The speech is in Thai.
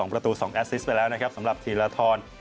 ประตู๒แอสซิสไปแล้วนะครับสำหรับธีรทร